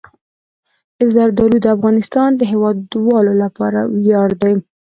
زردالو د افغانستان د هیوادوالو لپاره ویاړ دی.